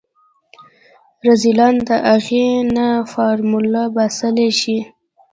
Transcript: رذيلان د اغې نه فارموله باسلی شي.